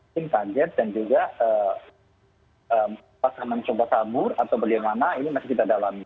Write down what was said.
tim kajet dan juga pasangan coba sabur atau bagaimana ini masih tidak dalam